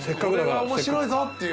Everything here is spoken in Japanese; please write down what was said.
これは面白いぞっていう。